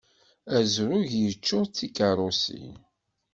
Azrug yeččur d tikeṛṛusin.